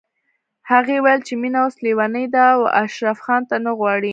هغې ويل چې مينه اوس ليونۍ ده او اشرف خان نه غواړي